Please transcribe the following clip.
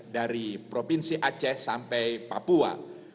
dari provinsi aceh sampai papua